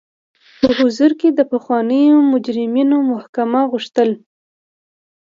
په حضور کې د پخوانیو مجرمینو محاکمه غوښتل.